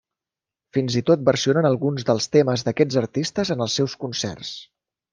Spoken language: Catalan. Fins i tot versionen alguns dels temes d'aquests artistes en els seus concerts.